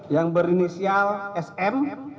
yang berinisial sm